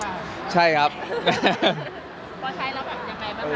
ไม่ใช่ความใช้ได้ก็ยังเปล่า